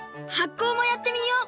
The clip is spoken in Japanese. こうもやってみよう！